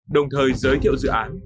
đồng thời giới thiệu dự án